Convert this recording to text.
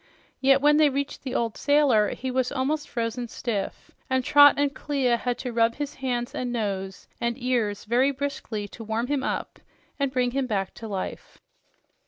Yet when they reached the old sailor, he was almost frozen stiff, and Trot and Clia had to rub his hands and nose and ears very briskly to warm him up and bring him back to life.